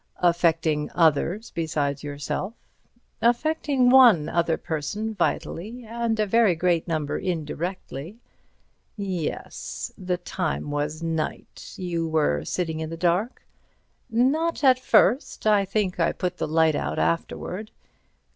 "Affecting others besides yourself?" "Affecting one other person vitally, and a very great number indirectly." "Yes. The time was night. You were sitting in the dark?" "Not at first. I think I put the light out afterwards."